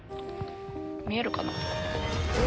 見えるかな？